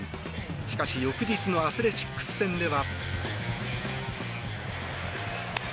しかし翌日のアスレチックス戦では。